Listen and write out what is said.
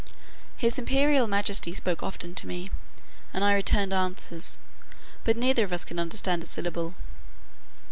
His imperial majesty spoke often to me, and I returned answers: but neither of us could understand a syllable.